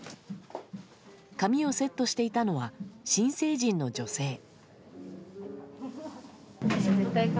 髪をセットしていたのは新成人の女性。